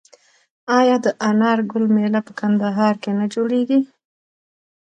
آیا د انار ګل میله په کندهار کې نه جوړیږي؟